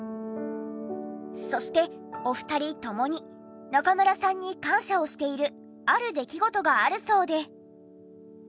そしてお二人ともに中村さんに感謝をしているある出来事があるそうで。